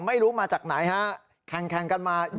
ไม่รู้มาจากไหนฮะแข่งกันมา